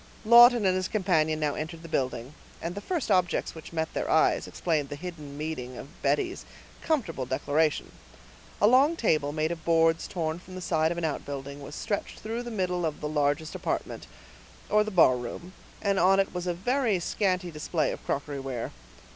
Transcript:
Lawton and his companion now entered the building, and the first objects which met their eyes explained the hidden meaning of Betty's comfortable declaration. A long table, made of boards torn from the side of an outbuilding, was stretched through the middle of the largest apartment, or the barroom, and on it was a very scanty display of crockery ware.